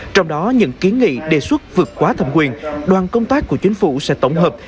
trong đó những kiến nghị đề xuất vượt quá thẩm quyền đoàn công tác của chính phủ sẽ tổng hợp